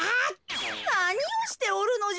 なにをしておるのじゃ。